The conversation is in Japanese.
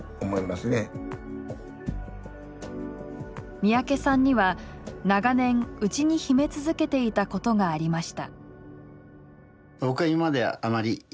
三宅さんには長年内に秘め続けていたことがありました。